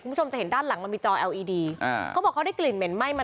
คุณผู้ชมจะเห็นด้านหลังมันมีจอเอลอีดีอ่าเขาบอกเขาได้กลิ่นเหม็นไหม้มา